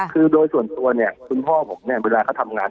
คือโดยส่วนตัวเนี่ยคุณพ่อผมเนี่ยเวลาเขาทำงาน